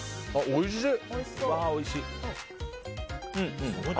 おいしい！